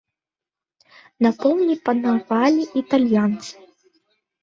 На поўдні панавалі італьянцы.